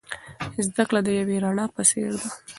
زده کړه د یوې رڼا په څیر ده.